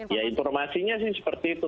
ya informasinya sih seperti itu